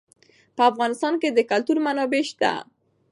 په افغانستان کې د کلتور منابع شته.